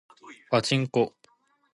パチンコ